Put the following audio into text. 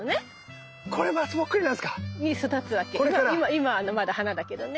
今はまだ花だけどね。